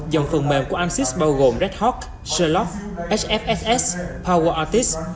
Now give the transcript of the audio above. dòng phần mềm của ansys bao gồm redhawk sherlock hfss powerartist